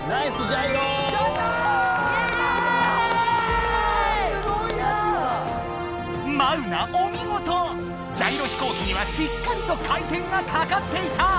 ジャイロ飛行機にはしっかりと回転がかかっていた！